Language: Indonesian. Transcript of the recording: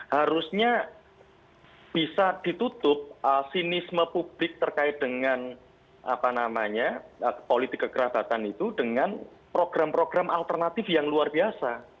harusnya bisa ditutup sinisme publik terkait dengan politik kekerabatan itu dengan program program alternatif yang luar biasa